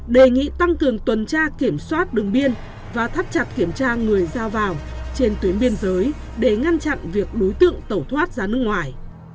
đề nghị tăng cường tuần tra kiểm soát đường biên và thắt chặt kiểm tra người ra vào trên tuyến biên giới để ngăn chặn việc đối tượng tẩu thoát ra nước ngoài